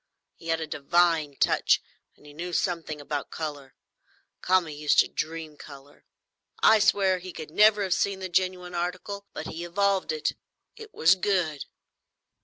He had a divine touch, and he knew something about colour. Kami used to dream colour; I swear he could never have seen the genuine article; but he evolved it; and it was good."